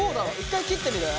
１回切ってみる？